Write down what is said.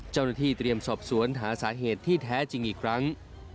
เจ้าหน้าที่เตรียมสอบสวนหาสาเหตุที่แท้จริงอีกครั้ง